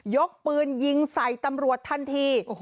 กปืนยิงใส่ตำรวจทันที